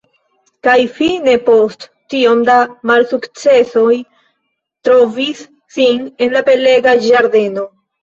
Kaj fine post tiom da malsukcesoj trovis sin en la belega ĝardeno.